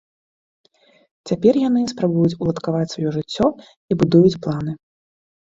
Цяпер яны спрабуюць уладкаваць сваё жыццё і будуюць планы.